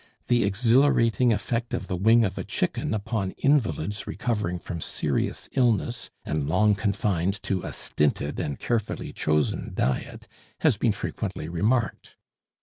The exhilarating effect of the wing of a chicken upon invalids recovering from serious illness, and long confined to a stinted and carefully chosen diet, has been frequently remarked.